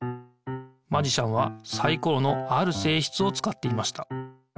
マジシャンはサイコロのあるせいしつをつかっていました。